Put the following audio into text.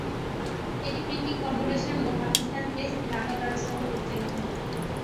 এটি printing corporation of Pakistan press, Dhaka branch নামে পরিচালিত হত।